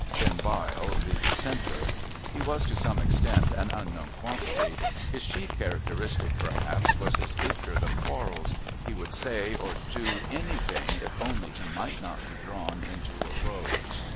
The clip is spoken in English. Then Byle, the Precentor. He was, to some extent, an unknown quantity. His chief characteristic perhaps was his hatred of quarrels he would say or do anything if only he might not be drawn into a "row."